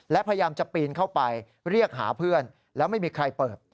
และพยายามจะปีนเข้าไปเรียกหาเพื่อนแล้วไม่มีใครเปิด